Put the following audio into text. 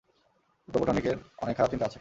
রোবটনিকের অনেক খারাপ চিন্তা আছে।